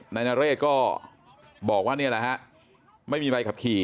นายนเรศก็บอกว่านี่แหละฮะไม่มีใบขับขี่